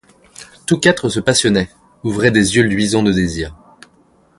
Tous quatre se passionnaient, ouvraient des yeux luisants de désir.